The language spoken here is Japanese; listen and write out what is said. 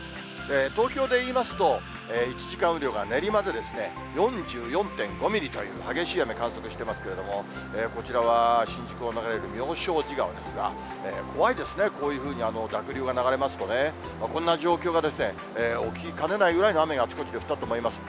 東京で言いますと、１時間雨量が練馬で４４．５ミリという激しい雨観測していますけれども、こちらは新宿を流れる妙正寺川ですが、怖いですね、こういうふうに濁流が流れますと、こんな状況が起きかねないぐらいの雨があちこちで降ったと思います。